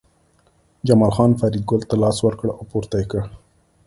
جمال خان فریدګل ته لاس ورکړ او پورته یې کړ